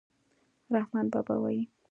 رحمان بابا وايي.